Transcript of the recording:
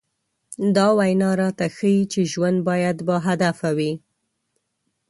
دا وينا راته ښيي چې ژوند بايد باهدفه وي.